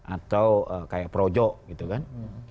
atau kayak projo gitu kan